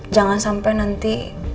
jangan sampai nanti